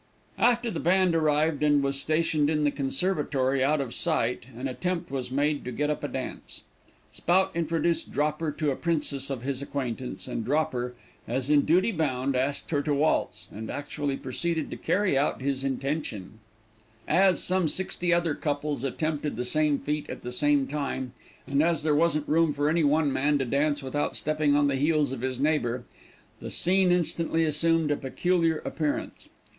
After the band arrived and was stationed in the conservatory out of sight, an attempt was made to get up a dance. Spout introduced Dropper to a princess of his acquaintance, and Dropper, as in duty bound, asked her to waltz, and actually proceeded to carry out his intention. As some sixty other couples attempted the same feat at the same time, and as there wasn't room for any one man to dance without stepping on the heels of his neighbor, the scene instantly assumed a peculiar appearance.